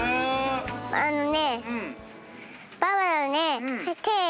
あのね。